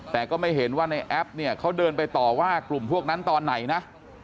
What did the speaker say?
แต่ก็ไม่เห็นว่าในแอปเนี่ยเขาเดินไปต่อว่ากลุ่มพวกนั้นตอนไหนนะ